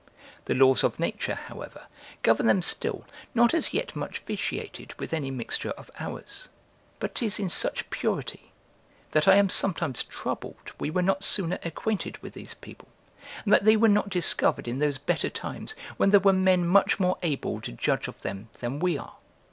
The laws of nature, however, govern them still, not as yet much vitiated with any mixture of ours: but 'tis in such purity, that I am sometimes troubled we were not sooner acquainted with these people, and that they were not discovered in those better times, when there were men much more able to judge of them than we are.